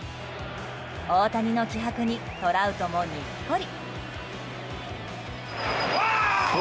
大谷の気迫にトラウトもにっこり。